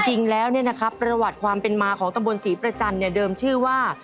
จริงแล้วประวัติความเป็นมาของตำบลศรีประจันทร์เดิมชื่อว่า